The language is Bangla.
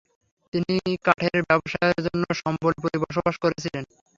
তিনি কাঠের ব্যবসায়ের জন্য সম্বলপুরে বসবাস করেছিলেন।